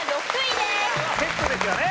セットですよね。